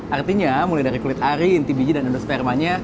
artinya mulai dari kulit ari inti biji dan endospermanya